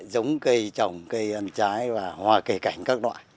giống cây trồng cây ăn trái và hoa cây cảnh các loại